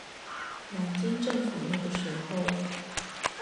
南京政府那個時候